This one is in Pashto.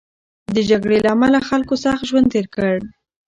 د جګړې له امله خلکو سخت ژوند تېر کړ.